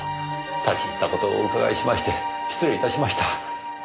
立ち入った事をお伺いしまして失礼いたしました。